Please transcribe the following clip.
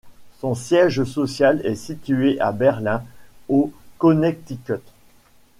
Son siège social est situé àBerlin, au Connecticut.